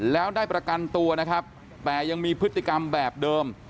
แล้วได้ประกันตัวนะครับแต่ยังมีพฤติกรรมแบบเดิม